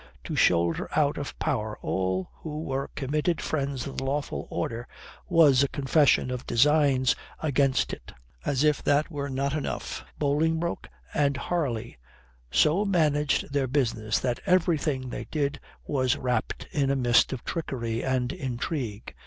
To shoulder out of power all who were committed friends of the lawful order was a confession of designs against it. As if that were not enough, Bolingbroke and Harley so managed their business that everything they did was wrapped in a mist of trickery and intrigue.